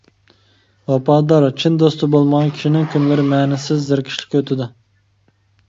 ۋاپادار، چىن دوستى بولمىغان كىشىنىڭ كۈنلىرى مەنىسىز، زېرىكىشلىك ئۆتىدۇ.